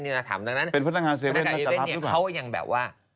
ก็ยังว่าพนัก๗๑๑แหละจะรับด้วยหรือเปล่า